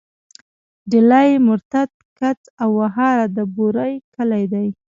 ډيلی، مرتت، کڅ او وهاره د بوري کلي دي.